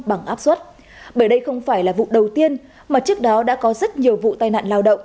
bằng áp suất bởi đây không phải là vụ đầu tiên mà trước đó đã có rất nhiều vụ tai nạn lao động